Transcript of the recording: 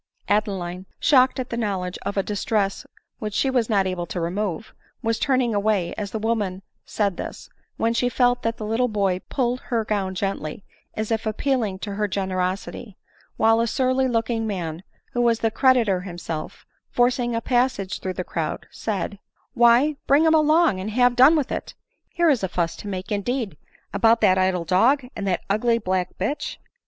Adeline, shocked at the knowledge of a distress which she was not able to remove, was turning away as the woman said this, when she felt that the little boy pulled her gown gently, as if appealing to her generosity ; while a surly looking man", who was the creditor himself, forcing a passage through the crowd, said, " Why, bring him along, and have done with it ; here is a fuss to make indeed, about that idle dog, and that ugly black b — h